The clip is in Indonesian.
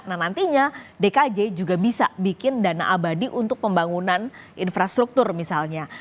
nah nantinya dkj juga bisa bikin dana abadi untuk pembangunan infrastruktur misalnya